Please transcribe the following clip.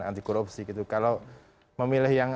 anti korupsi gitu kalau memilih yang